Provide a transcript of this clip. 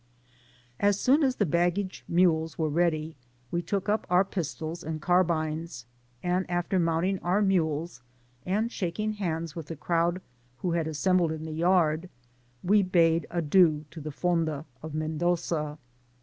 As soon as the baggage mules were ready^ we took up our pistols and carbines, and after mount* mg our mules, and shaking hands with the crowd who had assembled in the yard, we bade adieu to the Fonda of Mendosta.